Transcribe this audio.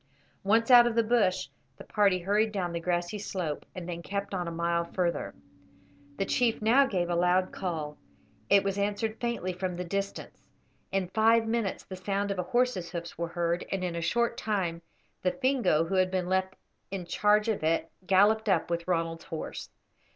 Once out of the bush, the party hurried down the grassy slope, and then kept on a mile further. The chief now gave a loud call. It was answered faintly from the distance; in five minutes the sound of a horse's hoofs were heard, and in a short time the Fingo who had been left in charge of it, galloped up with Ronald's horse.